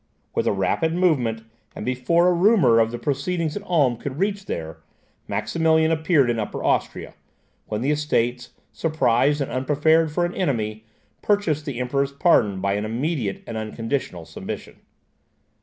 With a rapid movement, and before a rumour of the proceedings at Ulm could reach there, Maximilian appeared in Upper Austria, when the Estates, surprised and unprepared for an enemy, purchased the Emperor's pardon by an immediate and unconditional submission.